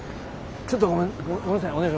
ちょっとごめんごめんなさい。